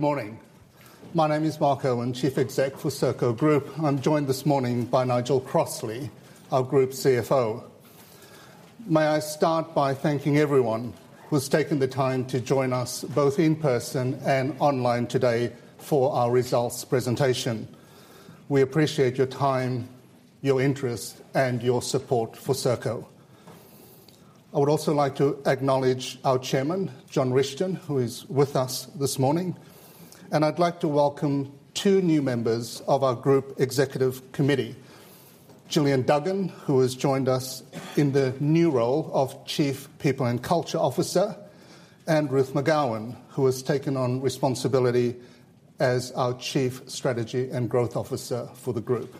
Good morning. My name is Mark Irwin, Chief Exec for Serco Group. I'm joined this morning by Nigel Crossley, our Group CFO. May I start by thanking everyone who's taken the time to join us, both in person and online today, for our results presentation. We appreciate your time, your interest, and your support for Serco. I would also like to acknowledge our Chairman, John Rishton, who is with us this morning. I'd like to welcome two new members of our Group Executive Committee, Gillian Duggan, who has joined us in the new role of Chief People and Culture Officer, and Ruth McGowan, who has taken on responsibility as our Chief Strategy and Growth Officer for the group.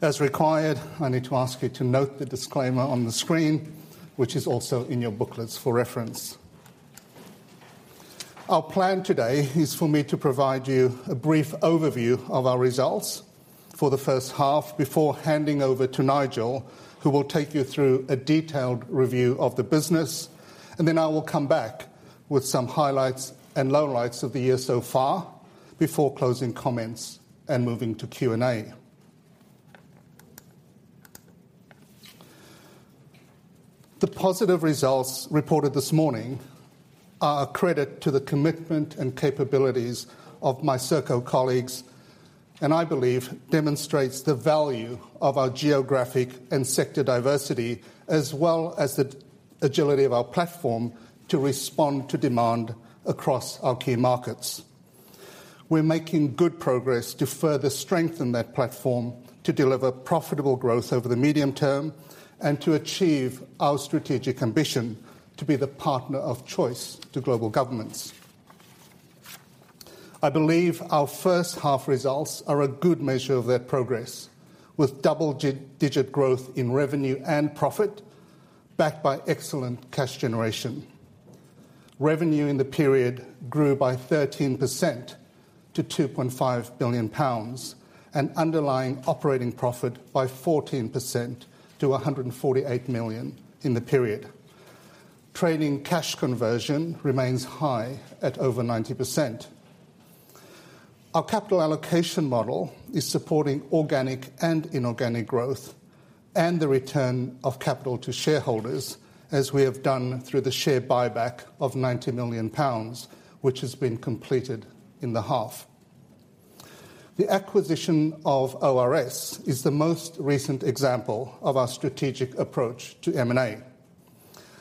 As required, I need to ask you to note the disclaimer on the screen, which is also in your booklets for reference. Our plan today is for me to provide you a brief overview of our results for the first half before handing over to Nigel, who will take you through a detailed review of the business, and then I will come back with some highlights and lowlights of the year so far, before closing comments and moving to Q&A. The positive results reported this morning are a credit to the commitment and capabilities of my Serco colleagues, and I believe demonstrates the value of our geographic and sector diversity, as well as the agility of our platform to respond to demand across our key markets. We're making good progress to further strengthen that platform to deliver profitable growth over the medium term and to achieve our strategic ambition to be the partner of choice to global governments. I believe our first half results are a good measure of that progress, with double digit growth in revenue and profit, backed by excellent cash generation. Revenue in the period grew by 13% to 2.5 billion pounds, and underlying operating profit by 14% to 148 million in the period. Trading cash conversion remains high at over 90%. Our capital allocation model is supporting organic and inorganic growth and the return of capital to shareholders, as we have done through the share buyback of 90 million pounds, which has been completed in the half. The acquisition of ORS is the most recent example of our strategic approach to M&A.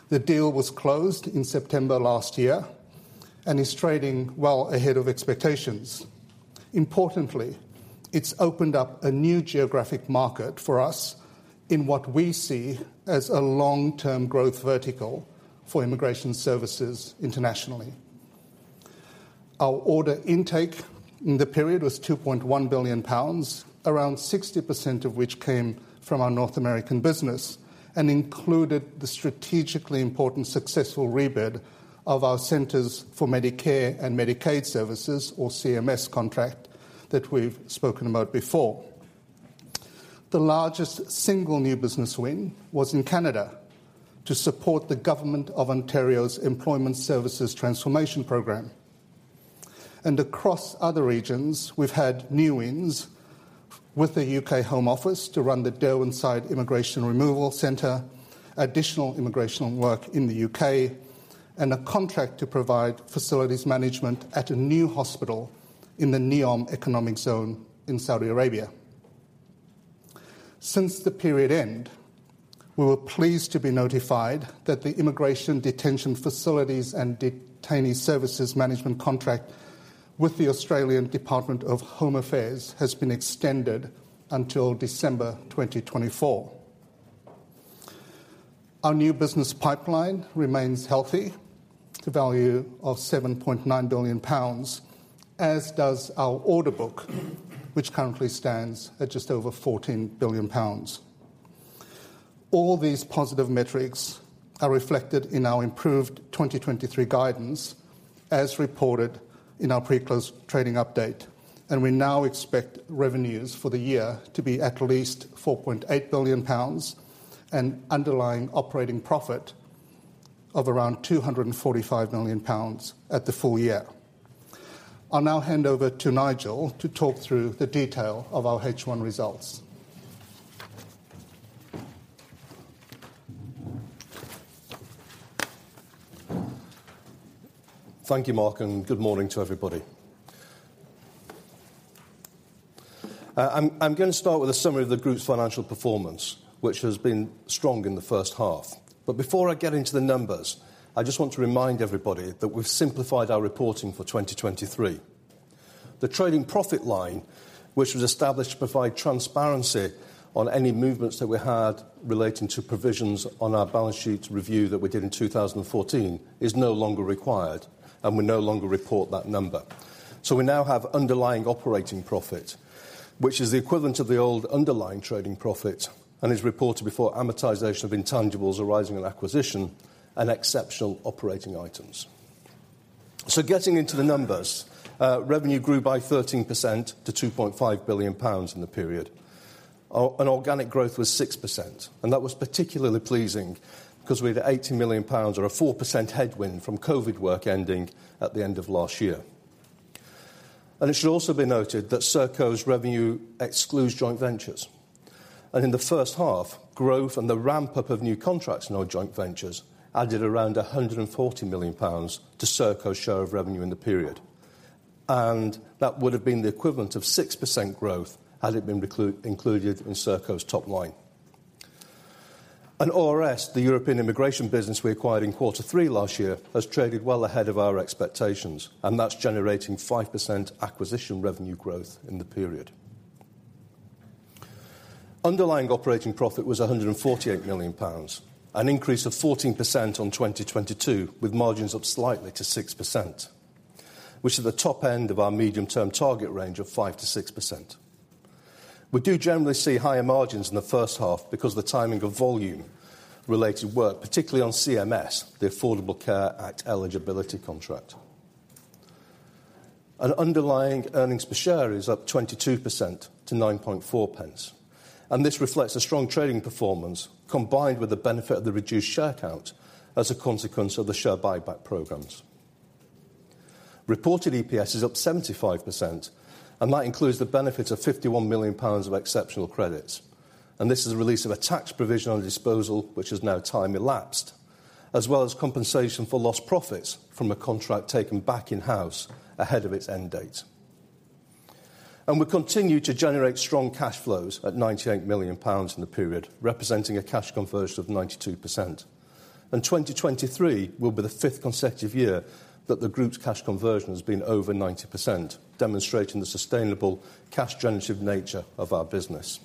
The deal was closed in September last year and is trading well ahead of expectations. Importantly, it's opened up a new geographic market for us in what we see as a long-term growth vertical for immigration services internationally. Our order intake in the period was 2.1 billion pounds, around 60% of which came from our North American business and included the strategically important successful rebid of our Centers for Medicare & Medicaid Services, or CMS contract, that we've spoken about before. The largest single new business win was in Canada to support the government of Ontario's Employment Services Transformation program. Across other regions, we've had new wins with the UK Home Office to run the Derwentside Immigration Removal Centre, additional immigration work in the UK, and a contract to provide facilities management at a new hospital in the NEOM Economic Zone in Saudi Arabia. Since the period end, we were pleased to be notified that the Immigration Detention Facilities and Detainee Services management contract with the Australian Department of Home Affairs has been extended until December 2024. Our new business pipeline remains healthy, to value of 7.9 billion pounds, as does our order book, which currently stands at just over 14 billion pounds. All these positive metrics are reflected in our improved 2023 guidance, as reported in our pre-close trading update, and we now expect revenues for the year to be at least 4.8 billion pounds and underlying operating profit of around 245 million pounds at the full year. I'll now hand over to Nigel to talk through the detail of our H1 results. Thank you, Mark, and good morning to everybody. I'm, I'm gonna start with a summary of the group's financial performance, which has been strong in the first half. Before I get into the numbers, I just want to remind everybody that we've simplified our reporting for 2023. The trading profit line, which was established to provide transparency on any movements that we had relating to provisions on our balance sheet review that we did in 2014, is no longer required, and we no longer report that number. We now have underlying operating profit, which is the equivalent of the old underlying trading profit and is reported before amortization of intangibles arising in acquisition and exceptional operating items. Getting into the numbers, revenue grew by 13% to 2.5 billion pounds in the period. Organic growth was 6%, and that was particularly pleasing, 'cause we had GBP 80 million or a 4% headwind from COVID work ending at the end of last year. It should also be noted that Serco's revenue excludes joint ventures, in the first half, growth and the ramp-up of new contracts in our joint ventures added around 140 million pounds to Serco's share of revenue in the period. That would have been the equivalent of 6% growth had it been included in Serco's top line. ORS, the European immigration business we acquired in Q3 last year, has traded well ahead of our expectations, and that's generating 5% acquisition revenue growth in the period. Underlying operating profit was GBP 148 million, an increase of 14% on 2022, with margins up slightly to 6%, which is the top end of our medium-term target range of 5% to 6%. We do generally see higher margins in the first half because of the timing of volume-related work, particularly on CMS, the Affordable Care Act eligibility contract. Underlying earnings per share is up 22% to 9.4 pence, and this reflects a strong trading performance, combined with the benefit of the reduced share count as a consequence of the share buyback programs. Reported EPS is up 75%, that includes the benefit of 51 million pounds of exceptional credits, this is a release of a tax provision on a disposal, which is now time-elapsed, as well as compensation for lost profits from a contract taken back in-house ahead of its end date. We continue to generate strong cash flows at GBP 98 million in the period, representing a cash conversion of 92%. 2023 will be the fifth consecutive year that the group's cash conversion has been over 90%, demonstrating the sustainable cash generative nature of our business.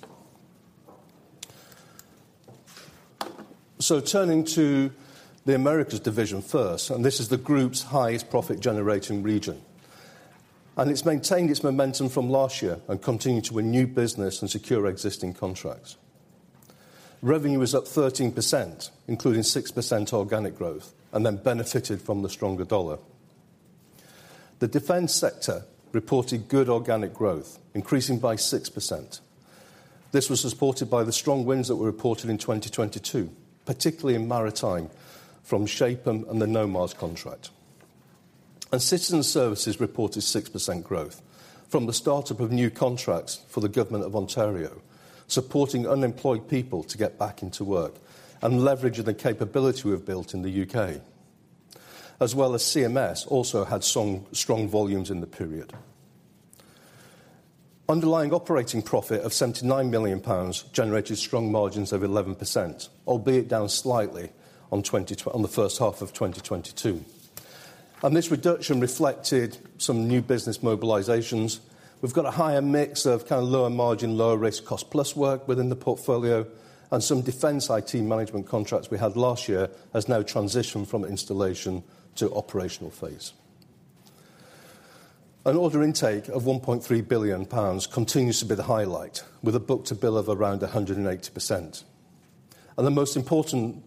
Turning to the Americas division first, this is the group's highest profit-generating region. It's maintained its momentum from last year and continued to win new business and secure existing contracts. Revenue is up 13%, including 6% organic growth, then benefited from the stronger dollar. The defense sector reported good organic growth, increasing by 6%. This was supported by the strong wins that were reported in 2022, particularly in maritime, from SHAPE and the NOMARS contract. Citizen services reported 6% growth from the start-up of new contracts for the government of Ontario, supporting unemployed people to get back into work and leveraging the capability we've built in the UK, as well as CMS also had strong, strong volumes in the period. Underlying operating profit of 79 million pounds generated strong margins of 11%, albeit down slightly on the first half of 2022. This reduction reflected some new business mobilizations. We've got a higher mix of kind of lower margin, lower risk cost plus work within the portfolio, some defense IT management contracts we had last year has now transitioned from installation to operational phase. Order intake of 1.3 billion pounds continues to be the highlight, with a book to bill of around 180%. The most important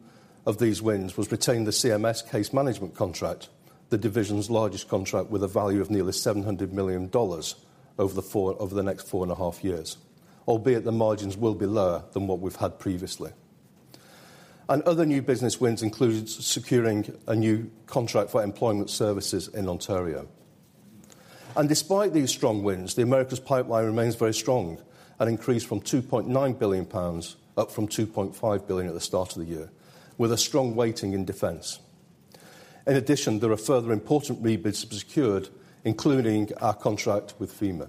of these wins was retaining the CMS case management contract, the division's largest contract, with a value of nearly $700 million over the next four and a half years, albeit the margins will be lower than what we've had previously. Other new business wins includes securing a new contract for employment services in Ontario. Despite these strong wins, the Americas pipeline remains very strong and increased from 2.9 billion pounds, up from 2.5 billion at the start of the year, with a strong weighting in defense. In addition, there are further important rebid secured, including our contract with FEMA.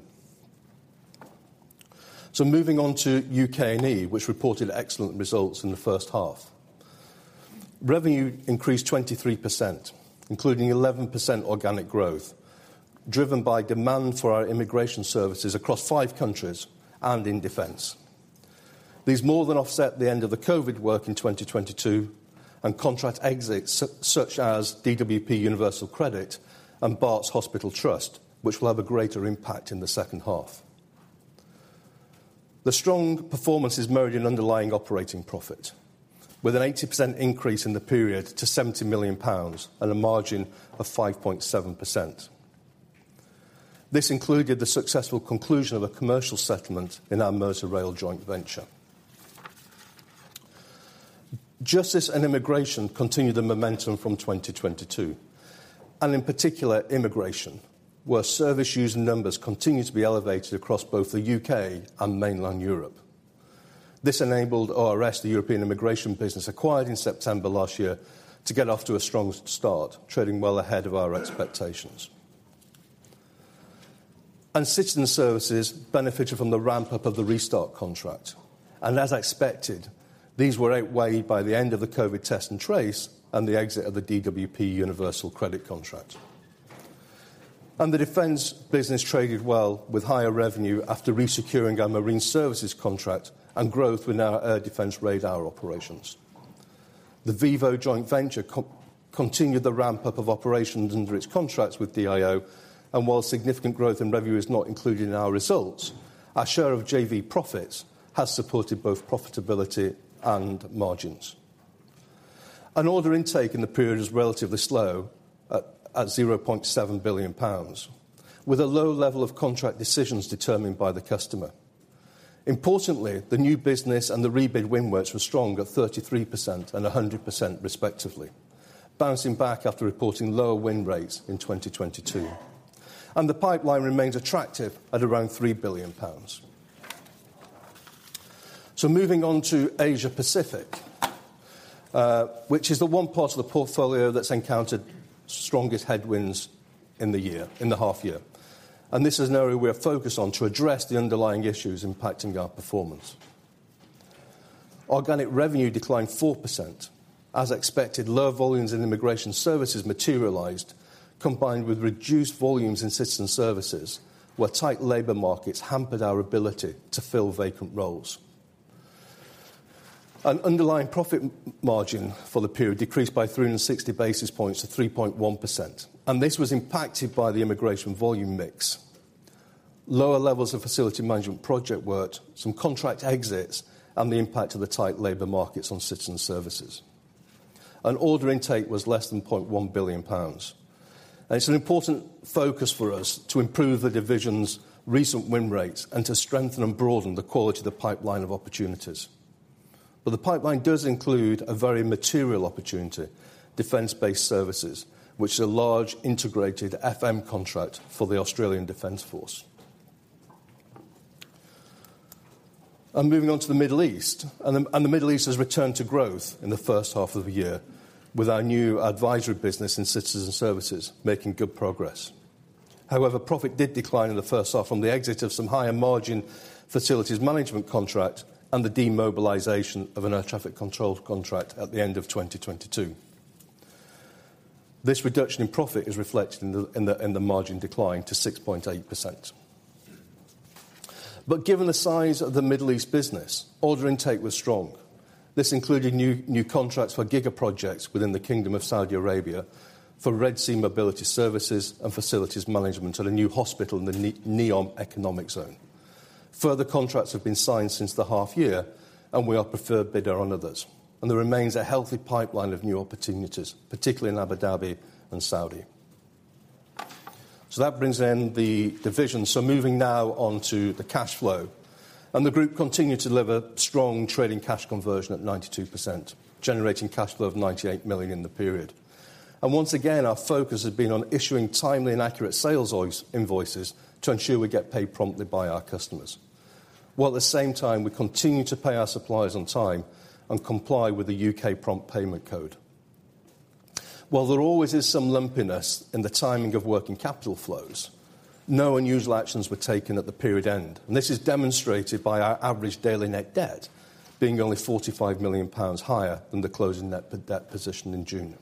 Moving on to UK & EU, which reported excellent results in the first half. Revenue increased 23%, including 11% organic growth, driven by demand for our immigration services across five countries and in defense. These more than offset the end of the COVID work in 2022 and contract exits, such as DWP Universal Credit and Barts Hospital Trust, which will have a greater impact in the second half. The strong performance is measured in underlying operating profit, with an 80% increase in the period to 70 million pounds and a margin of 5.7%. This included the successful conclusion of a commercial settlement in our Merseyrail joint venture. Justice and immigration continued the momentum from 2022, and in particular, immigration, where service user numbers continued to be elevated across both the UK and mainland Europe. This enabled ORS, the European immigration business, acquired in September last year, to get off to a strong start, trading well ahead of our expectations. Citizen services benefited from the ramp-up of the restart contract, and as expected, these were outweighed by the end of the COVID test and trace and the exit of the DWP Universal Credit contract. The defense business traded well with higher revenue after resecuring our marine services contract and growth with our air defense radar operations. The Vivo joint venture continued the ramp-up of operations under its contracts with DIO, while significant growth in revenue is not included in our results, our share of joint ventures profits has supported both profitability and margins. Order intake in the period is relatively slow at 0.7 billion pounds, with a low level of contract decisions determined by the customer. Importantly, the new business and the rebid win works were strong at 33% and 100% respectively, bouncing back after reporting lower win rates in 2022. The pipeline remains attractive at around 3 billion pounds. Moving on to Asia Pacific, which is the one part of the portfolio that's encountered strongest headwinds in the year, in the half year. This is an area we are focused on to address the underlying issues impacting our performance. Organic revenue declined 4%. As expected, lower volumes in immigration services materialized, combined with reduced volumes in citizen services, where tight labor markets hampered our ability to fill vacant roles. Underlying profit margin for the period decreased by 360 basis points to 3.1%. This was impacted by the immigration volume mix. Lower levels of facilities management project work, some contract exits, and the impact of the tight labor markets on citizen services. Order intake was less than 0.1 billion pounds. It's an important focus for us to improve the division's recent win rates and to strengthen and broaden the quality of the pipeline of opportunities. The pipeline does include a very material opportunity, defense-based services, which is a large, integrated FM contract for the Australian Defense Force. Moving on to the Middle East, the Middle East has returned to growth in the first half of the year, with our new advisory business in citizen services making good progress. However, profit did decline in the first half from the exit of some higher margin facilities management contract and the demobilization of an air traffic control contract at the end of 2022. This reduction in profit is reflected in the margin decline to 6.8%. Given the size of the Middle East business, order intake was strong. This included new contracts for giga projects within the Kingdom of Saudi Arabia, for Red Sea mobility services and facilities management at a new hospital in the NEOM Economic Zone. Further contracts have been signed since the half year, we are preferred bidder on others. There remains a healthy pipeline of new opportunities, particularly in Abu Dhabi and Saudi. That brings in the division. Moving now on to the cash flow, the group continued to deliver strong trading cash conversion at 92%, generating cash flow of 98 million in the period. Once again, our focus has been on issuing timely and accurate sales invoices to ensure we get paid promptly by our customers, while at the same time we continue to pay our suppliers on time and comply with the UK prompt payment code. While there always is some lumpiness in the timing of working capital flows, no unusual actions were taken at the period end, and this is demonstrated by our average daily net debt being only GBP 45 million higher than the closing net debt position in June.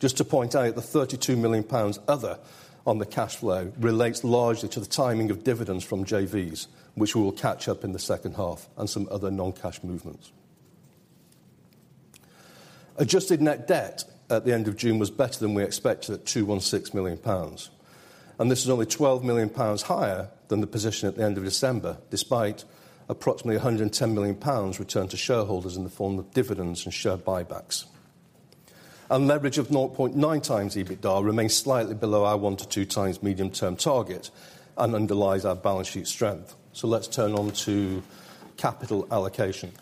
Just to point out, the 32 million pounds other on the cash flow relates largely to the timing of dividends from JVs, which we will catch up in the second half and some other non-cash movements. Adjusted net debt at the end of June was better than we expected at 216 million pounds, and this is only 12 million pounds higher than the position at the end of December, despite approximately 110 million pounds returned to shareholders in the form of dividends and share buybacks. Leverage of 0.9x EBITDA remains slightly below our 1x to 2x medium-term target and underlies our balance sheet strength. Let's turn on to capital allocation.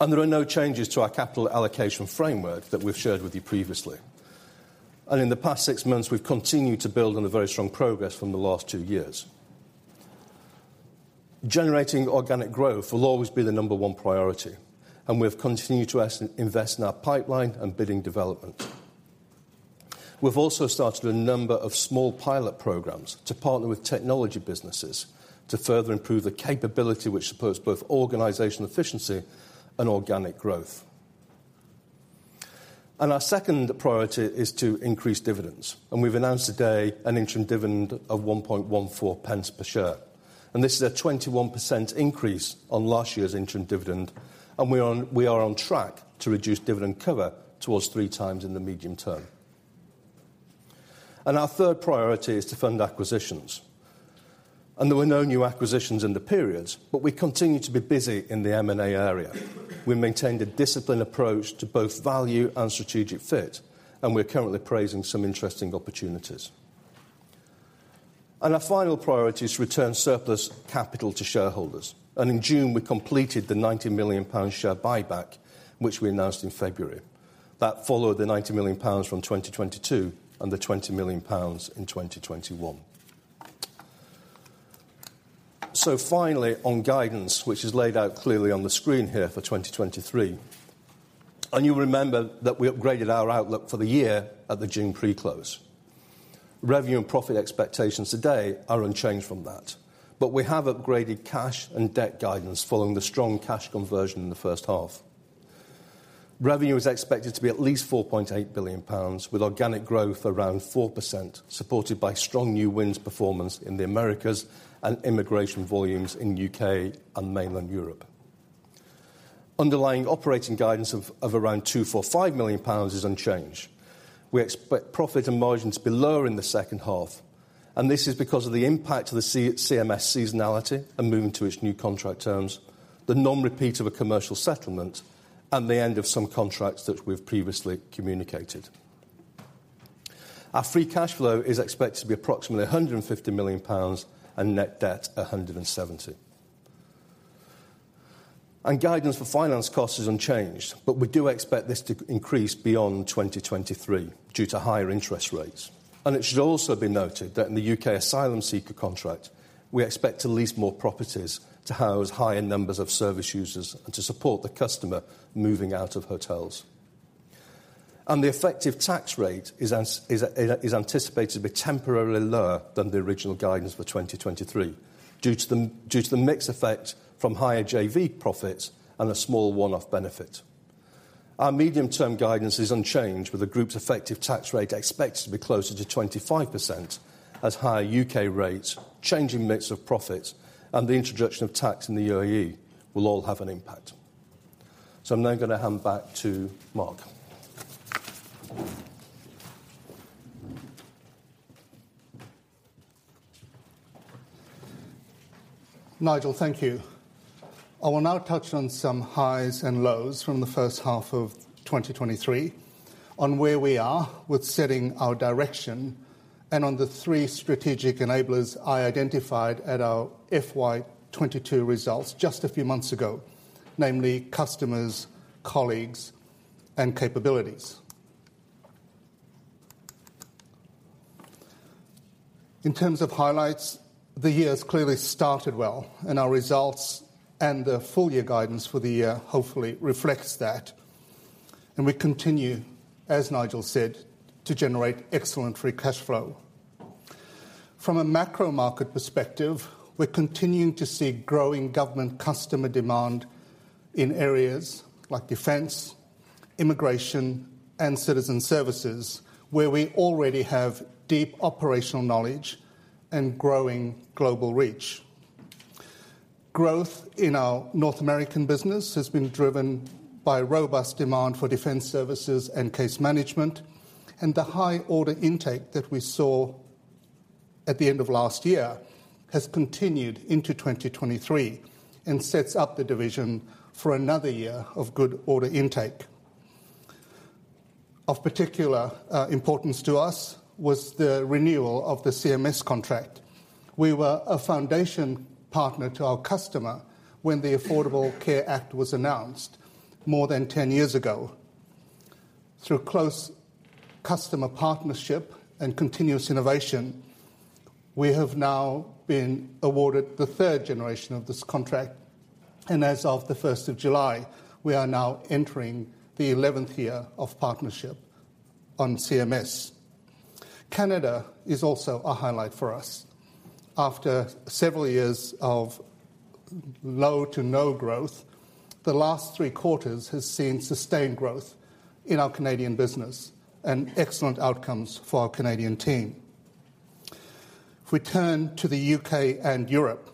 There are no changes to our capital allocation framework that we've shared with you previously. In the past six months, we've continued to build on a very strong progress from the last two years. Generating organic growth will always be the number one priority, and we've continued to invest in our pipeline and bidding development. We've also started a number of small pilot programs to partner with technology businesses to further improve the capability, which supports both organizational efficiency and organic growth. Our second priority is to increase dividends, and we've announced today an interim dividend of 1.14 pence per share. This is a 21% increase on last year's interim dividend, and we are on, we are on track to reduce dividend cover towards three times in the medium term. Our third priority is to fund acquisitions. There were no new acquisitions in the periods, but we continue to be busy in the M&A area. We maintained a disciplined approach to both value and strategic fit, and we're currently appraising some interesting opportunities. Our final priority is to return surplus capital to shareholders. In June, we completed the GBP 90 million share buyback, which we announced in February. That followed the GBP 90 million from 2022 and the GBP 20 million in 2021. Finally, on guidance, which is laid out clearly on the screen here for 2023. You remember that we upgraded our outlook for the year at the June pre-close. Revenue and profit expectations today are unchanged from that. We have upgraded cash and debt guidance following the strong cash conversion in the first half. Revenue is expected to be at least 4.8 billion pounds, with organic growth around 4%, supported by strong new wins performance in the Americas and immigration volumes in UK and mainland Europe. Underlying operating guidance of around 245 million pounds is unchanged. We expect profit and margins to be lower in the second half. This is because of the impact of the CMS seasonality and moving to its new contract terms, the non-repeat of a commercial settlement, and the end of some contracts that we've previously communicated. Our free cash flow is expected to be approximately 150 million pounds, and net debt, 170 million. Guidance for finance cost is unchanged, but we do expect this to increase beyond 2023 due to higher interest rates. It should also be noted that in the UK asylum seeker contract, we expect to lease more properties to house higher numbers of service users and to support the customer moving out of hotels. The effective tax rate is anticipated to be temporarily lower than the original guidance for 2023, due to the mix effect from higher JV profits and a small one-off benefit. Our medium-term guidance is unchanged, with the group's effective tax rate expected to be closer to 25%, as higher U.K. rates, changing mix of profits, and the introduction of tax in the UAE will all have an impact. I'm now gonna hand back to Mark. Nigel, thank you. I will now touch on some highs and lows from the first half of 2023, on where we are with setting our direction, and on the three strategic enablers I identified at our FY 22 results just a few months ago, namely customers, colleagues, and capabilities. In terms of highlights, the year has clearly started well, and our results and the full-year guidance for the year hopefully reflects that. We continue, as Nigel said, to generate excellent free cash flow. From a macro market perspective, we're continuing to see growing government customer demand in areas like defense, immigration, and citizen services, where we already have deep operational knowledge and growing global reach. Growth in our North American business has been driven by robust demand for defense services and case management, and the high order intake that we saw at the end of last year has continued into 2023 and sets up the division for another year of good order intake. Of particular importance to us was the renewal of the CMS contract. We were a foundation partner to our customer when the Affordable Care Act was announced more than 10 years ago. Through close customer partnership and continuous innovation, we have now been awarded the 3rd generation of this contract, and as of the 1st of July, we are now entering the 11th year of partnership on CMS. Canada is also a highlight for us. After several years of low to no growth, the last three quarters has seen sustained growth in our Canadian business and excellent outcomes for our Canadian team. If we turn to the U.K. and Europe,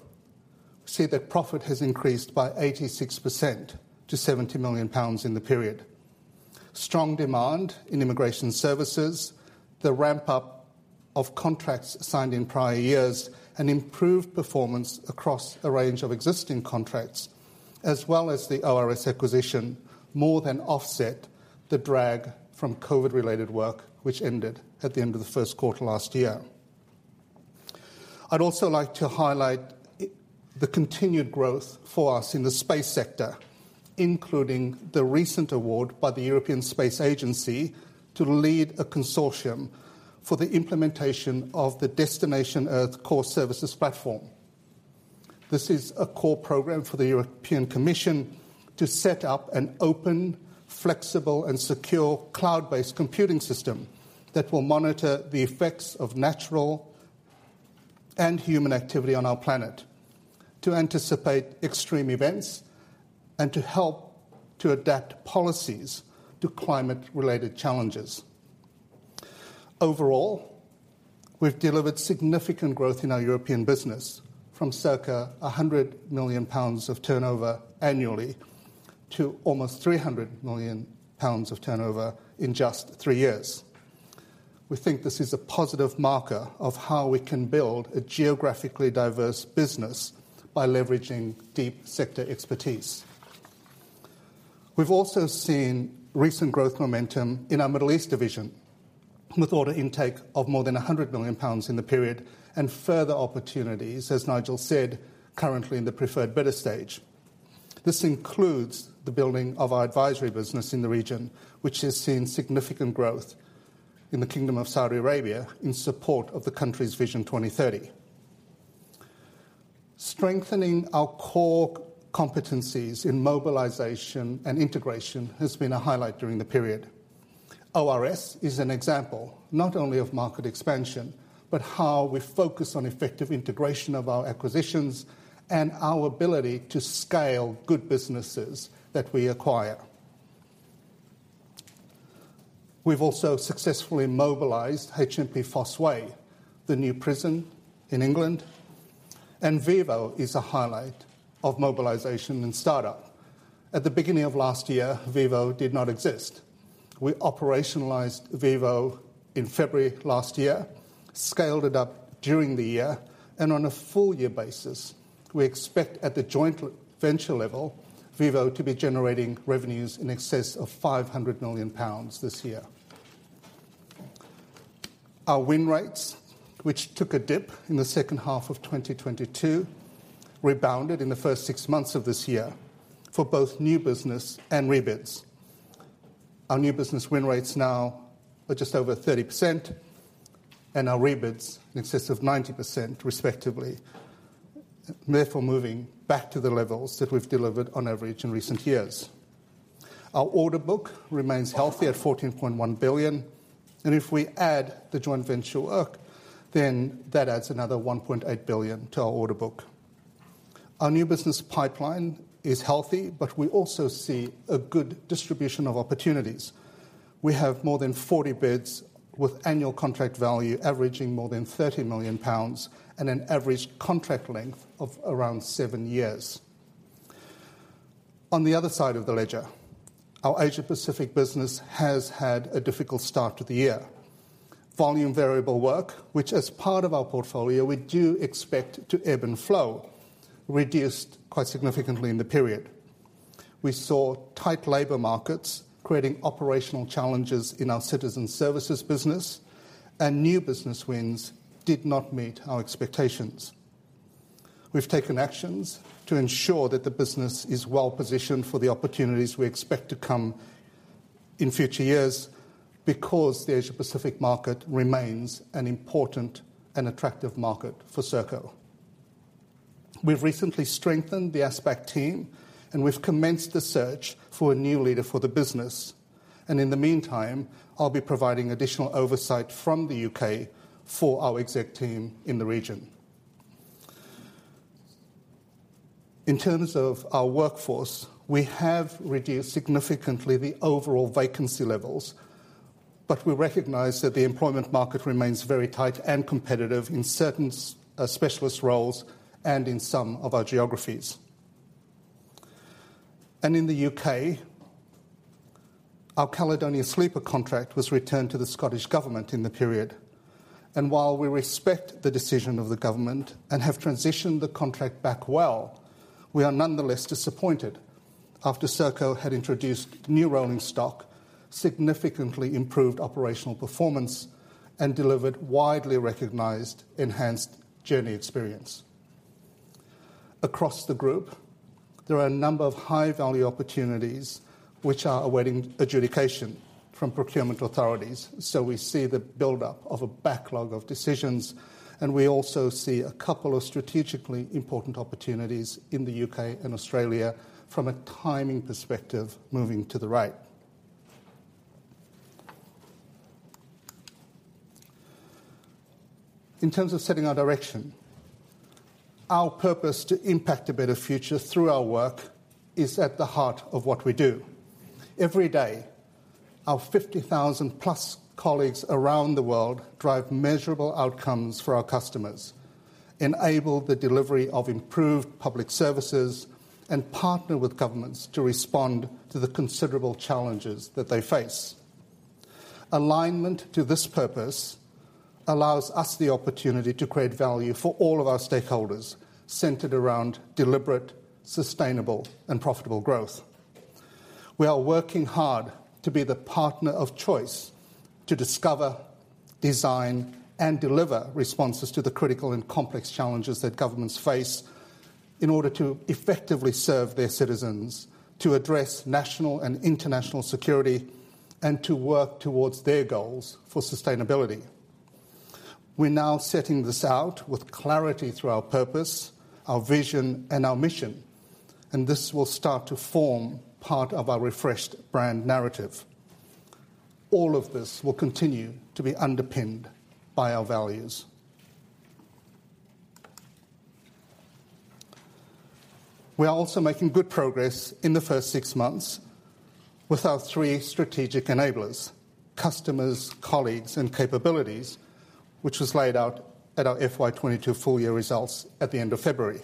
we see that profit has increased by 86% to 70 million pounds in the period. Strong demand in immigration services, the ramp up of contracts signed in prior years, and improved performance across a range of existing contracts, as well as the ORS acquisition, more than offset the drag from COVID-related work, which ended at the end of the Q1 last year. I'd also like to highlight the continued growth for us in the space sector, including the recent award by the European Space Agency to lead a consortium for the implementation of the Destination Earth Core Services platform. This is a core program for the European Commission to set up an open, flexible, and secure cloud-based computing system that will monitor the effects of natural and human activity on our planet, to anticipate extreme events, and to help to adapt policies to climate-related challenges. Overall, we've delivered significant growth in our European business from circa 100 million pounds of turnover annually to almost 300 million pounds of turnover in just three years. We think this is a positive marker of how we can build a geographically diverse business by leveraging deep sector expertise. We've also seen recent growth momentum in our Middle East division, with order intake of more than 100 million pounds in the period and further opportunities, as Nigel said, currently in the preferred bidder stage. This includes the building of our advisory business in the region, which has seen significant growth in the Kingdom of Saudi Arabia in support of the country's Vision 2030. Strengthening our core competencies in mobilization and integration has been a highlight during the period. ORS is an example not only of market expansion, but how we focus on effective integration of our acquisitions and our ability to scale good businesses that we acquire. We've also successfully mobilized HMP Fosse Way, the new prison in England. is a highlight of mobilization and startup. At the beginning of last year, Vivo did not exist. We operationalized Vivo in February last year, scaled it up during the year, and on a full year basis, we expect at the joint venture level, Vivo to be generating revenues in excess of 500 million pounds this year. Our win rates, which took a dip in the second half of 2022, rebounded in the first six months of this year for both new business and rebids. Our new business win rates now are just over 30%, and our rebids in excess of 90%, respectively, therefore, moving back to the levels that we've delivered on average in recent years. Our order book remains healthy at 14.1 billion, and if we add the joint venture work, then that adds another 1.8 billion to our order book. Our new business pipeline is healthy, but we also see a good distribution of opportunities. We have more than 40 bids with annual contract value averaging more than 30 million pounds and an average contract length of around seven years. On the other side of the ledger, our Asia Pacific business has had a difficult start to the year. Volume variable work, which as part of our portfolio, we do expect to ebb and flow, reduced quite significantly in the period. We saw tight labor markets creating operational challenges in our citizen services business. New business wins did not meet our expectations. We've taken actions to ensure that the business is well-positioned for the opportunities we expect to come in future years, because the Asia Pacific market remains an important and attractive market for Serco. We've recently strengthened the Aspect team. We've commenced the search for a new leader for the business. In the meantime, I'll be providing additional oversight from the UK for our exec team in the region. In terms of our workforce, we have reduced significantly the overall vacancy levels, but we recognize that the employment market remains very tight and competitive in certain specialist roles and in some of our geographies. In the UK, our Caledonian Sleeper contract was returned to the Scottish government in the period, and while we respect the decision of the government and have transitioned the contract back well, we are nonetheless disappointed after Serco had introduced new rolling stock, significantly improved operational performance, and delivered widely recognized enhanced journey experience. Across the group, there are a number of high-value opportunities which are awaiting adjudication from procurement authorities, so we see the buildup of a backlog of decisions, and we also see a couple of strategically important opportunities in the UK and Australia from a timing perspective, moving to the right. In terms of setting our direction, our purpose to impact a better future through our work is at the heart of what we do. Every day, our 50,000+ colleagues around the world drive measurable outcomes for our customers, enable the delivery of improved public services, and partner with governments to respond to the considerable challenges that they face. Alignment to this purpose allows us the opportunity to create value for all of our stakeholders, centered around deliberate, sustainable and profitable growth. We are working hard to be the partner of choice to discover, design, and deliver responses to the critical and complex challenges that governments face in order to effectively serve their citizens, to address national and international security, and to work towards their goals for sustainability. We're now setting this out with clarity through our purpose, our vision, and our mission. This will start to form part of our refreshed brand narrative. All of this will continue to be underpinned by our values. We are also making good progress in the first six months with our three strategic enablers: customers, colleagues, and capabilities, which was laid out at our FY 2022 full year results at the end of February.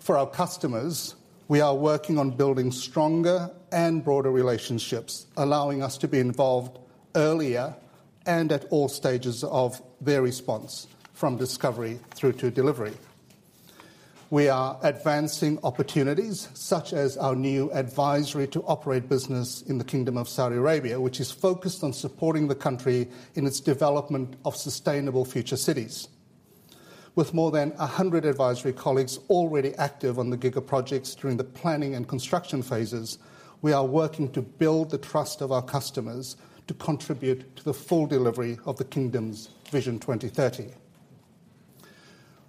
For our customers, we are working on building stronger and broader relationships, allowing us to be involved earlier and at all stages of their response, from discovery through to delivery. We are advancing opportunities such as our new advisory to operate business in the Kingdom of Saudi Arabia, which is focused on supporting the country in its development of sustainable future cities. With more than 100 advisory colleagues already active on the giga projects during the planning and construction phases, we are working to build the trust of our customers to contribute to the full delivery of the Kingdom's Vision 2030.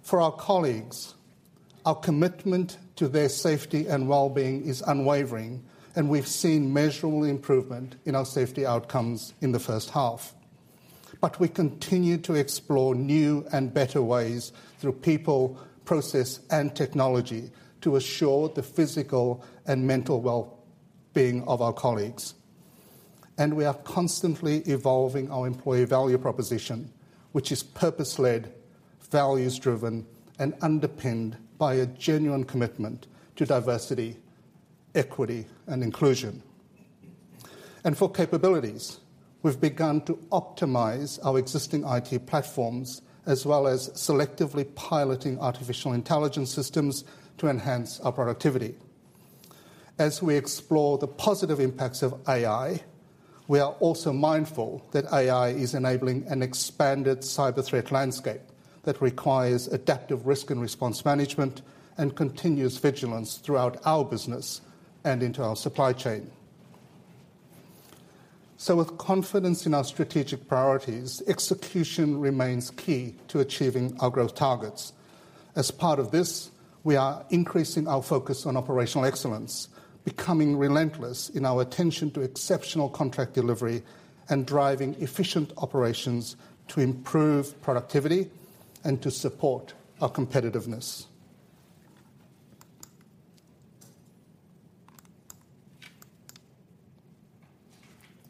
For our colleagues, our commitment to their safety and well-being is unwavering, we've seen measurable improvement in our safety outcomes in the first half. We continue to explore new and better ways through people, process, and technology to assure the physical and mental well-being of our colleagues. We are constantly evolving our employee value proposition, which is purpose-led, values-driven, and underpinned by a genuine commitment to diversity, equity, and inclusion. For capabilities, we've begun to optimize our existing IT platforms, as well as selectively piloting artificial intelligence systems to enhance our productivity. As we explore the positive impacts of AI, we are also mindful that AI is enabling an expanded cyber threat landscape that requires adaptive risk and response management and continuous vigilance throughout our business and into our supply chain. With confidence in our strategic priorities, execution remains key to achieving our growth targets. As part of this, we are increasing our focus on operational excellence, becoming relentless in our attention to exceptional contract delivery, and driving efficient operations to improve productivity and to support our competitiveness.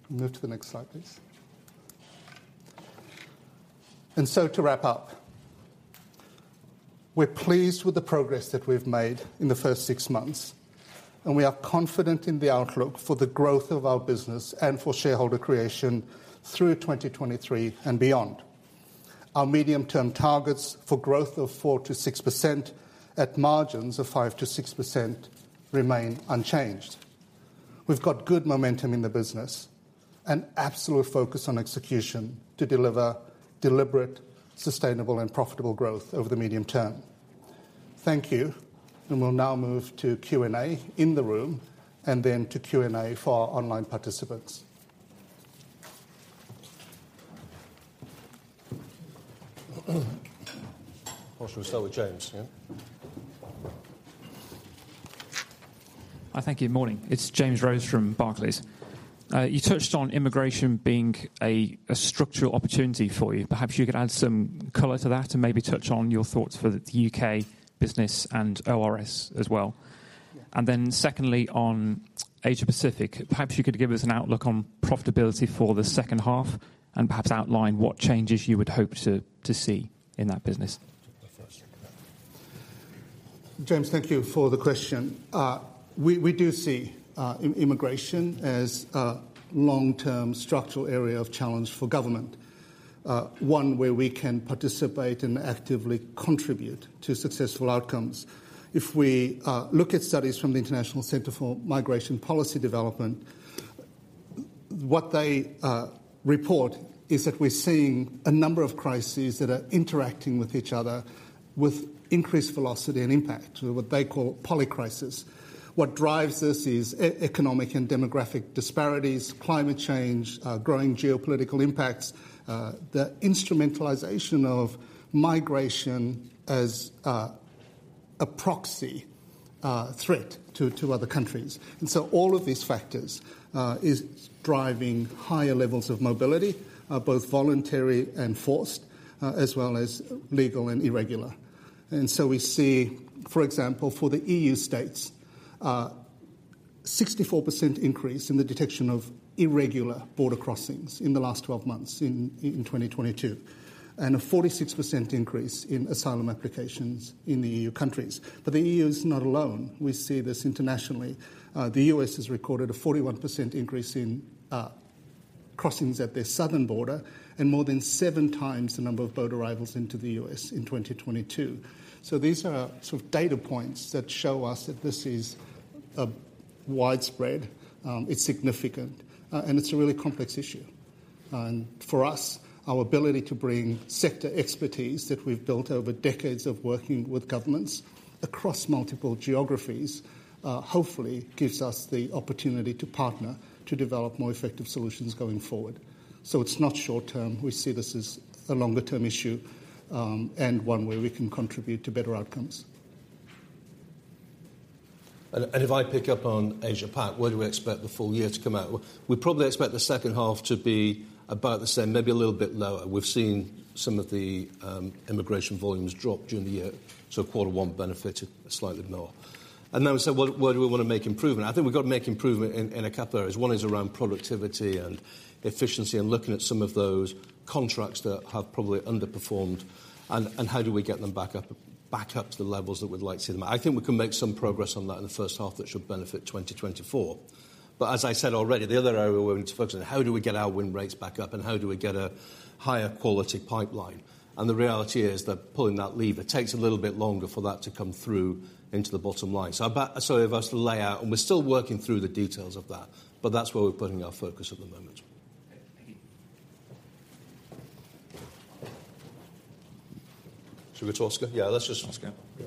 Move to the next slide, please. To wrap up, we're pleased with the progress that we've made in the first six months, and we are confident in the outlook for the growth of our business and for shareholder creation through 2023 and beyond. Our medium-term targets for growth of 4% to 6% at margins of 5% to 6% remain unchanged. We've got good momentum in the business and absolute focus on execution to deliver deliberate, sustainable, and profitable growth over the medium term. Thank you, and we'll now move to Q&A in the room and then to Q&A for our online participants. Well, should we start with James, yeah? Hi, thank you. Morning. It's James Rose from Barclays. You touched on immigration being a, a structural opportunity for you. Perhaps you could add some color to that and maybe touch on your thoughts for the UK business and ORS as well. Secondly, on Asia Pacific, perhaps you could give us an outlook on profitability for the second half, and perhaps outline what changes you would hope to, to see in that business. James, thank you for the question. We, we do see immigration as a long-term structural area of challenge for government, one where we can participate and actively contribute to successful outcomes. If we look at studies from the International Center for Migration Policy Development, what they report is that we're seeing a number of crises that are interacting with each other with increased velocity and impact, or what they call polycrisis. What drives this is economic and demographic disparities, climate change, growing geopolitical impacts, the instrumentalization of migration as a proxy, threat to, to other countries. All of these factors, is driving higher levels of mobility, both voluntary and forced, as well as legal and irregular. We see, for example, for the EU states, 64% increase in the detection of irregular border crossings in the last 12 months in 2022, and a 46% increase in asylum applications in the EU countries. The EU is not alone. We see this internationally. The U.S. has recorded a 41% increase in crossings at their southern border, and more than seven times the number of boat arrivals into the U.S. in 2022. These are sort of data points that show us that this is widespread, it's significant, and it's a really complex issue. For us, our ability to bring sector expertise that we've built over decades of working with governments across multiple geographies, hopefully gives us the opportunity to partner to develop more effective solutions going forward. It's not short term. We see this as a longer-term issue, and one where we can contribute to better outcomes. And if I pick up on Asia Pac, where do we expect the full year to come out? We probably expect the second half to be about the same, maybe a little bit lower. We've seen some of the immigration volumes drop during the year, so quarter one benefited slightly more. Then we said, well, where do we want to make improvement? I think we've got to make improvement in, in a couple areas. One is around productivity and efficiency and looking at some of those contracts that have probably underperformed, and, and how do we get them back up, back up to the levels that we'd like to see them. I think we can make some progress on that in the first half that should benefit 2024. As I said already, the other area we're going to focus on, how do we get our win rates back up, and how do we get a higher quality pipeline? The reality is that pulling that lever takes a little bit longer for that to come through into the bottom line. If I was to lay out, and we're still working through the details of that, but that's where we're putting our focus at the moment. Thank you. Should we talk to Oscar? Yeah, let's just. Oscar. Yeah.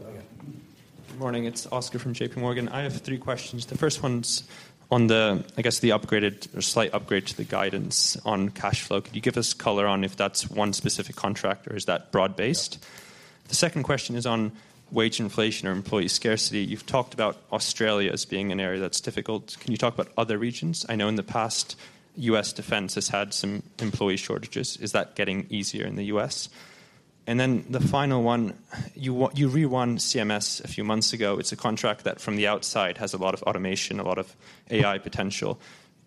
Good morning. It's Oscar from JP Morgan. I have three questions. The first one's on the, I guess, the upgraded or slight upgrade to the guidance on cash flow. Could you give us color on if that's one specific contract, or is that broad-based? Yeah. The second question is on wage inflation or employee scarcity. You've talked about Australia as being an area that's difficult. Can you talk about other regions? I know in the past, U.S. defense has had some employee shortages. Is that getting easier in the U.S.? The final one, you re-won CMS a few months ago. It's a contract that, from the outside, has a lot of automation, a lot of AI potential.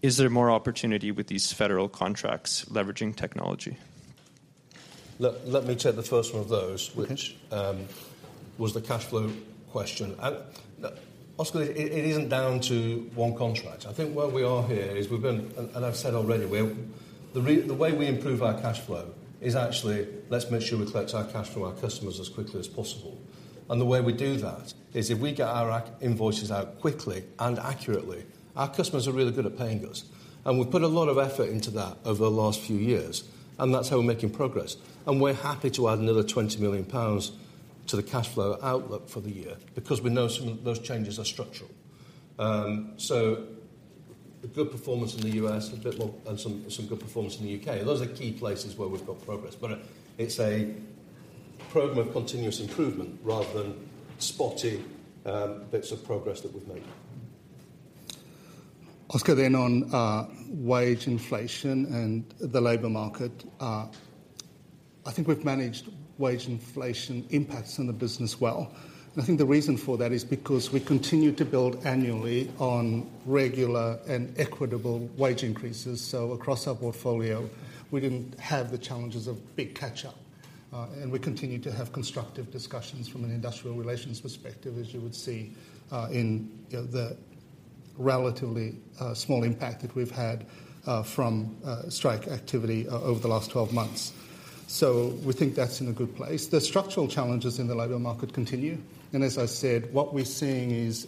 Is there more opportunity with these federal contracts leveraging technology? Let me take the first one of those. Okay ...which, was the cash flow question. Oscar, it, it isn't down to one contract. I think where we are here is and I've said already, the way we improve our cash flow is actually, let's make sure we collect our cash from our customers as quickly as possible. The way we do that is if we get our invoices out quickly and accurately, our customers are really good at paying us. We've put a lot of effort into that over the last few years, and that's how we're making progress. We're happy to add another 20 million pounds to the cash flow outlook for the year, because we know some of those changes are structural. So a good performance in the U.S., a bit more, and some, some good performance in the U.K. Those are key places where we've got progress, but it's a program of continuous improvement rather than spotty bits of progress that we've made. Oscar, then on wage inflation and the labor market. I think we've managed wage inflation impacts on the business well. I think the reason for that is because we continue to build annually on regular and equitable wage increases. Across our portfolio, we didn't have the challenges of big catch-up. We continue to have constructive discussions from an industrial relations perspective, as you would see, in, you know, the relatively small impact that we've had from strike activity over the last 12 months. We think that's in a good place. The structural challenges in the labor market continue, and as I said, what we're seeing is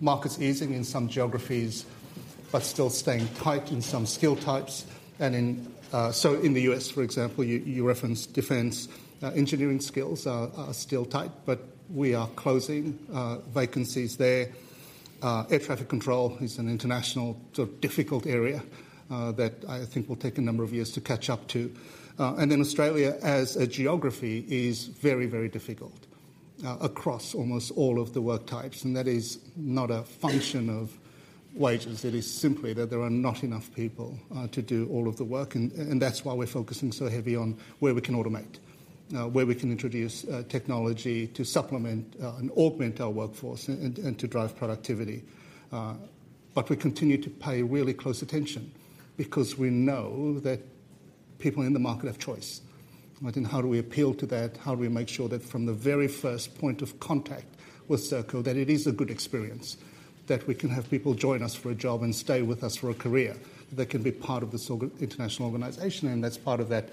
markets easing in some geographies, but still staying tight in some skill types. In so in the U.S., for example, you referenced defense. Engineering skills are, are still tight, but we are closing vacancies there. Air traffic control is an international sort of difficult area that I think will take a number of years to catch up to. Australia, as a geography, is very, very difficult across almost all of the work types, and that is not a function of wages. It is simply that there are not enough people to do all of the work, and, and that's why we're focusing so heavy on where we can automate, where we can introduce technology to supplement, and augment our workforce and, and to drive productivity. We continue to pay really close attention because we know that people in the market have choice. How do we appeal to that? How do we make sure that from the very first point of contact with Serco, that it is a good experience, that we can have people join us for a job and stay with us for a career, that can be part of this international organization, and that's part of that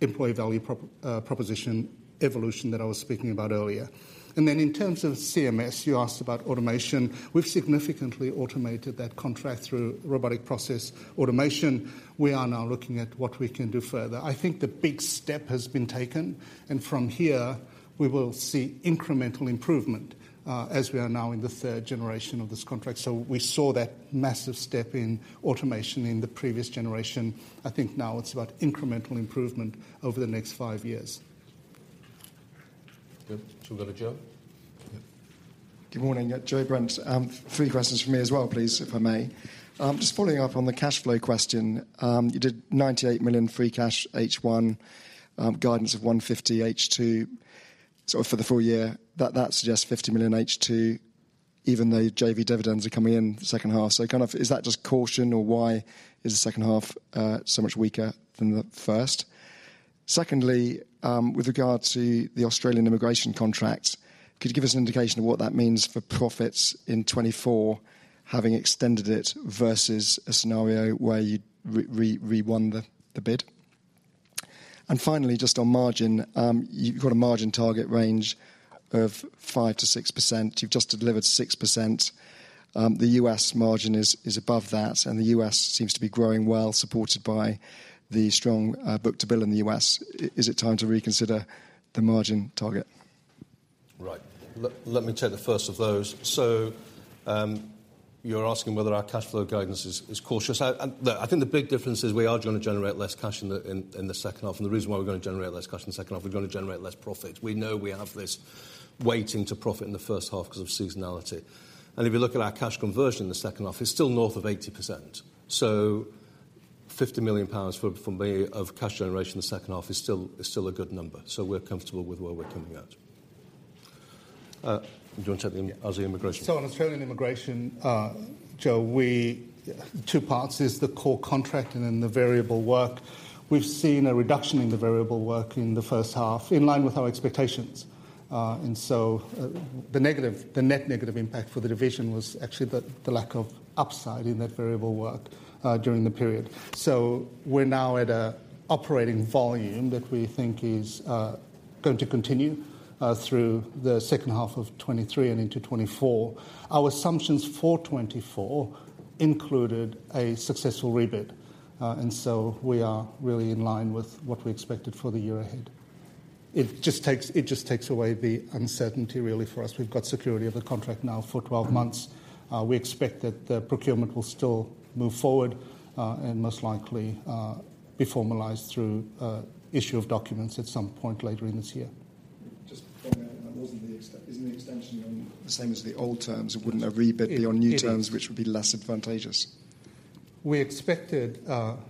employee value prop, proposition evolution that I was speaking about earlier. Then in terms of CMS, you asked about automation. We've significantly automated that contract through robotic process automation. We are now looking at what we can do further. I think the big step has been taken, and from here, we will see incremental improvement, as we are now in the third generation of this contract. We saw that massive step in automation in the previous generation. I think now it's about incremental improvement over the next five years. Good. We go to Joe? Yeah. Good morning. Joe Brent. Three questions from me as well, please, if I may. Just following up on the cash flow question, you did 98 million free cash H1, guidance of 150 H2, for the full year, that suggests 50 million H2, even though JV dividends are coming in the second half. Is that just caution, or why is the second half so much weaker than the first? Secondly, with regard to the Australian immigration contract, could you give us an indication of what that means for profits in 2024, having extended it versus a scenario where you re-won the bid? Finally, just on margin, you've got a margin target range of 5% to 6%. You've just delivered 6%. The U.S. margin is, is above that, and the U.S. seems to be growing well, supported by the strong, book-to-bill in the U.S. Is it time to reconsider the margin target? Right, let me take the first of those. You're asking whether our cash flow guidance is, is cautious. Look, I think the big difference is we are going to generate less cash in the, in, in the second half. The reason why we're going to generate less cash in the second half, we're going to generate less profit. We know we have this weighting to profit in the first half because of seasonality. If you look at our cash conversion in the second half, it's still north of 80%. 50 million pounds for, from me, of cash generation in the second half is still, is still a good number. We're comfortable with where we're coming out. Do you want to take the Aussie immigration? On Australian immigration, Joe, we two parts, is the core contract and then the variable work. We've seen a reduction in the variable work in the first half, in line with our expectations. The negative, the net negative impact for the division was actually the, the lack of upside in that variable work during the period. We're now at a operating volume that we think is going to continue through the second half of 2023 and into 2024. Our assumptions for 2024 included a successful rebid, we are really in line with what we expected for the year ahead. It just takes away the uncertainty, really, for us. We've got security of the contract now for 12 months. We expect that the procurement will still move forward, and most likely, be formalized through, issue of documents at some point later in this year. Just to point out, that wasn't the isn't the extension on the same as the old terms? Wouldn't a rebid be on new terms, which would be less advantageous? We expected,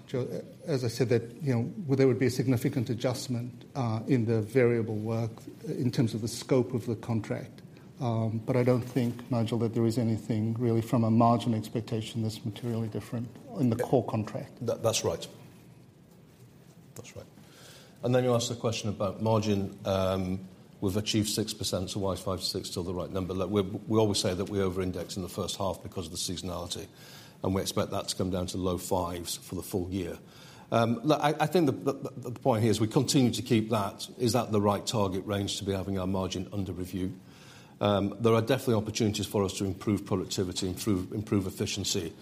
Joe, as I said, that, you know, well, there would be a significant adjustment, in the variable work in terms of the scope of the contract. I don't think, Nigel, that there is anything really from a margin expectation that's materially different in the core contract. That, that's right. That's right. Then you asked the question about margin. We've achieved 6%, so why is 5% to 6% still the right number? Look, we, we always say that we over-index in the first half because of the seasonality, and we expect that to come down to the low fives for the full year. Look, I, I think the, the, the point here is we continue to keep that, is that the right target range to be having our margin under review? There are definitely opportunities for us to improve productivity, improve, improve efficiency.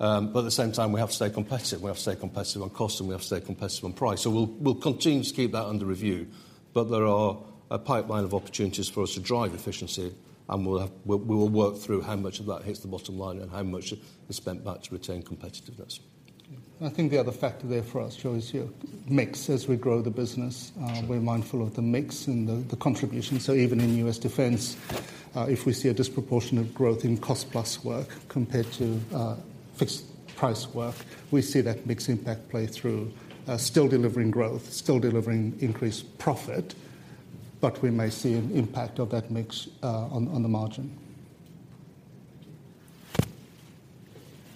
At the same time, we have to stay competitive. We have to stay competitive on cost, and we have to stay competitive on price. We'll, we'll continue to keep that under review, but there are a pipeline of opportunities for us to drive efficiency, and we, we will work through how much of that hits the bottom line and how much is spent back to retain competitiveness. I think the other factor there for us, Joe, is your mix. As we grow the business, Sure. We're mindful of the mix and the, the contribution. Even in U.S. Defense, if we see a disproportionate growth in cost plus work compared to, fixed price work, we see that mix impact play through, still delivering growth, still delivering increased profit, but we may see an impact of that mix, on, on the margin.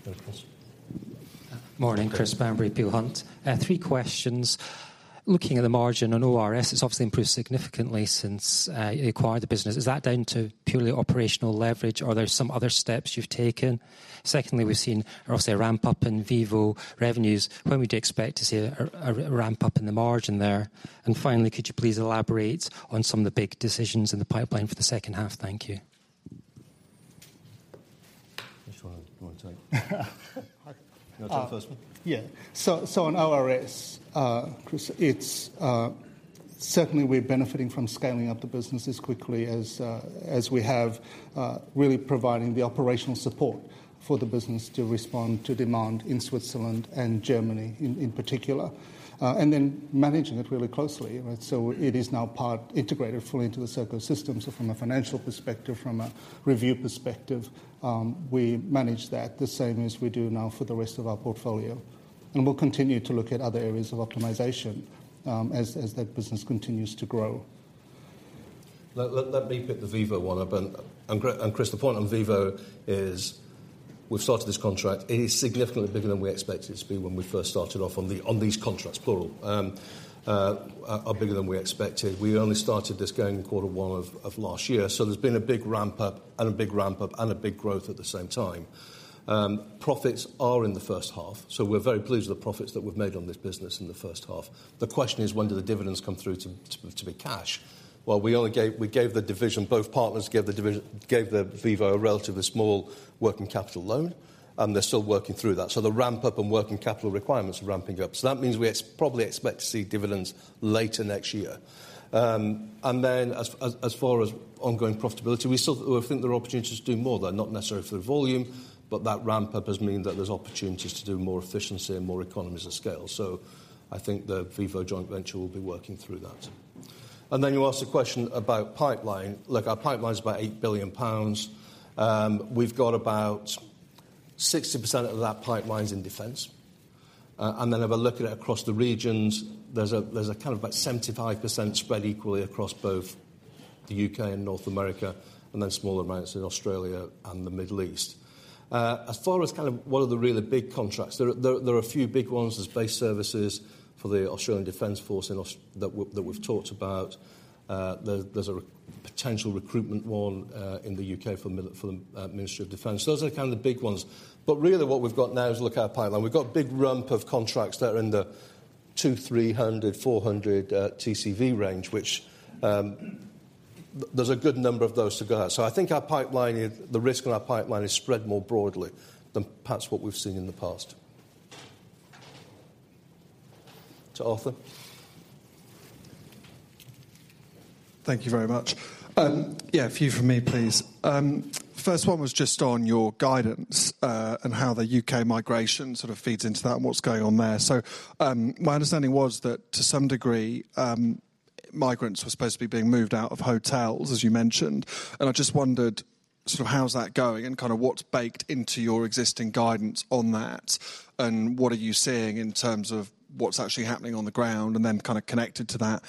Any questions? Morning, Chris Bamberry, Peel Hunt. three questions. Looking at the margin on ORS, it's obviously improved significantly since you acquired the business. Is that down to purely operational leverage, or there are some other steps you've taken? Secondly, we've seen obviously a ramp-up in Vivo revenues. When would you expect to see a ramp-up in the margin there? Finally, could you please elaborate on some of the big decisions in the pipeline for the second half? Thank you. Which one do you want to take? You want to take the first one? Yeah. On ORS, Chris, it's certainly we're benefiting from scaling up the business as quickly as as we have, really providing the operational support for the business to respond to demand in Switzerland and Germany in, in particular, and then managing it really closely, right? It is now part integrated fully into the Serco systems. From a financial perspective, from a review perspective, we manage that the same as we do now for the rest of our portfolio. We'll continue to look at other areas of optimization, as, as that business continues to grow. Let, let, let me pick the Vivo one up. Chris, the point on Vivo is, we've started this contract. It is significantly bigger than we expected it to be when we first started off on the, on these contracts, plural, are, are bigger than we expected. We only started this going in quarter one of last year, so there's been a big ramp-up and a big ramp-up and a big growth at the same time. Profits are in the first half, so we're very pleased with the profits that we've made on this business in the first half. The question is, when do the dividends come through to be cash? Well, we only gave, we gave the division, both partners gave the Vivo a relatively small working capital loan, and they're still working through that. The ramp-up and working capital requirements are ramping up. That means we probably expect to see dividends later next year. As far as ongoing profitability, we still think there are opportunities to do more there, not necessarily for the volume, but that ramp-up has meant that there's opportunities to do more efficiency and more economies of scale. I think the Vivo joint venture will be working through that. You asked a question about pipeline. Look, our pipeline's about 8 billion pounds. We've got about 60% of that pipeline's in defense. If I look at it across the regions, there's about 75% spread equally across both the UK and North America, and then smaller amounts in Australia and the Middle East. As far as kind of what are the really big contracts, there are a few big ones. There's base services for the Australian Defense Force that we've talked about. There's a potential recruitment one in the UK for the Ministry of Defense. Those are kind of the big ones. Really, what we've got now is, look at our pipeline. We've got a big rump of contracts that are in the 200, 300, 400 TCV range, which, there's a good number of those to go out. I think our pipeline, the risk on our pipeline is spread more broadly than perhaps what we've seen in the past. To Arthur. Thank you very much. Yeah, a few from me, please. First one was just on your guidance, and how the UK migration sort of feeds into that, and what's going on there. My understanding was that to some degree, migrants were supposed to be being moved out of hotels, as you mentioned, and I just wondered, sort of how's that going, and kind of what's baked into your existing guidance on that? What are you seeing in terms of what's actually happening on the ground? Then kind of connected to that,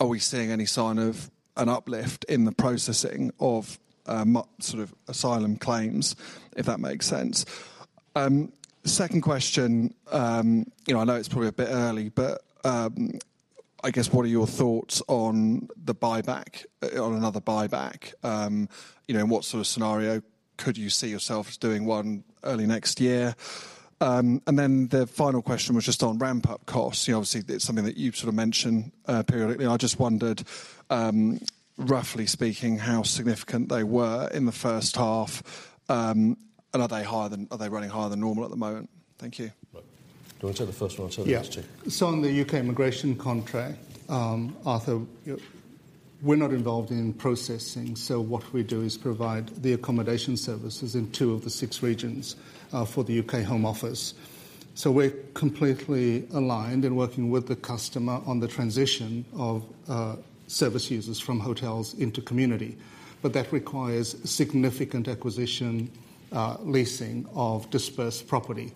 are we seeing any sign of an uplift in the processing of, sort of asylum claims, if that makes sense? Second question, you know, I know it's probably a bit early, but, I guess, what are your thoughts on the buyback, on another buyback? You know, in what sort of scenario could you see yourself as doing one early next year? The final question was just on ramp-up costs. You know, obviously, it's something that you've sort of mentioned, periodically. I just wondered, roughly speaking, how significant they were in the first half, and are they higher than, are they running higher than normal at the moment? Thank you. Right. Do you want to take the first one? I'll take the next two. Yeah. On the UK immigration contract, Arthur, we're not involved in processing, what we do is provide the accommodation services in two of the six regions, for the UK Home Office. We're completely aligned and working with the customer on the transition of, service users from hotels into community, but that requires significant leasing of dispersed property.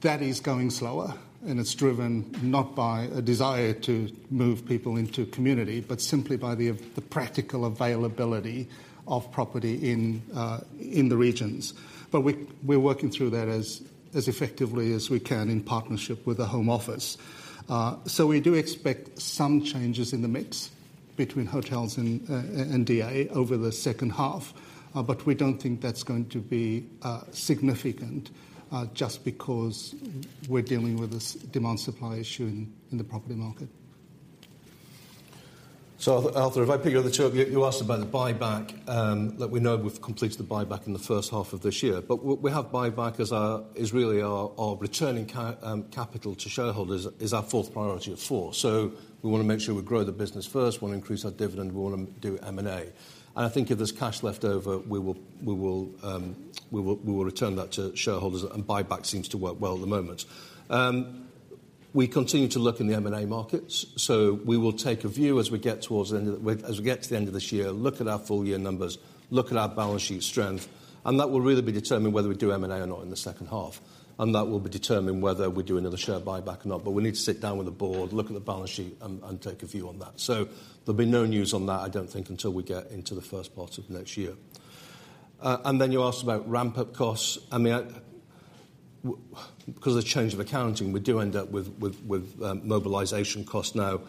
That is going slower, and it's driven not by a desire to move people into community, but simply by the practical availability of property in, in the regions. But we, we're working through that as, as effectively as we can in partnership with the Home Office. We do expect some changes in the mix between hotels and DA over the second half, but we don't think that's going to be significant, just because we're dealing with a demand-supply issue in the property market. Ar-Arthur, if I pick up the two of you, you asked about the buyback. Look, we know we've completed the buyback in the first half of this year. W-we have buyback as really our, our returning capital to shareholders is our fourth priority of four. We wanna make sure we grow the business first, we wanna increase our dividend, we wanna do M&A. I think if there's cash left over, we will, we will, we will, we will return that to shareholders, and buyback seems to work well at the moment. We continue to look in the M&A markets, so we will take a view as we get towards the end of this year, look at our full year numbers, look at our balance sheet strength, and that will really be determining whether we do M&A or not in the second half. That will be determining whether we do another share buyback or not. We need to sit down with the board, look at the balance sheet, and take a view on that. There'll be no news on that, I don't think, until we get into the first part of next year. Then you asked about ramp-up costs. I mean, I because of the change of accounting, we do end up with mobilization costs now.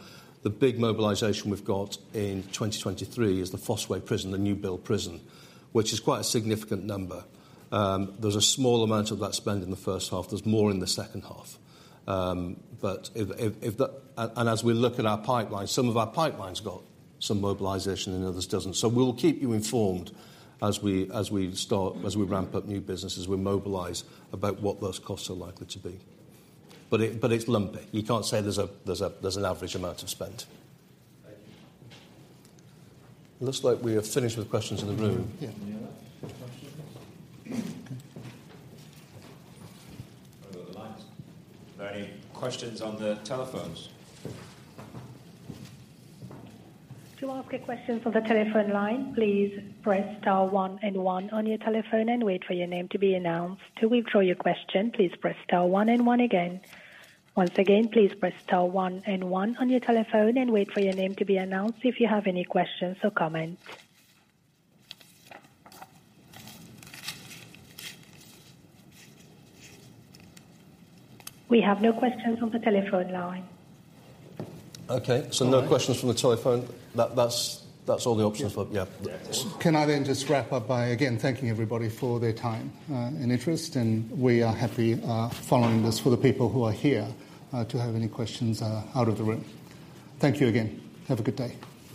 The big mobilization we've got in 2023 is Fosse Way prison, the new-build prison, which is quite a significant number. There's a small amount of that spent in the first half, there's more in the second half. As we look at our pipeline, some of our pipeline's got some mobilization and others doesn't. We'll keep you informed as we, as we start, as we ramp up new businesses, we mobilize about what those costs are likely to be. It, but it's lumpy. You can't say there's a, there's a, there's an average amount of spend. Thank you. Looks like we have finished with questions in the room. Yeah. Any other questions? Are there any questions on the telephones? To ask a question from the telephone line, please press star one and one on your telephone and wait for your name to be announced. To withdraw your question, please press star one and one again. Once again, please press star one and one on your telephone and wait for your name to be announced if you have any questions or comments. We have no questions on the telephone line. Okay, no questions from the telephone. That's, that's all the options for, Yeah. Can I then just wrap up by, again, thanking everybody for their time, and interest? We are happy, following this for the people who are here, to have any questions, out of the room. Thank you again. Have a good day.